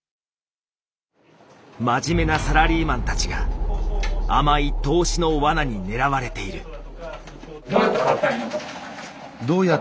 真面目なサラリーマンたちが甘い投資の罠に狙われている。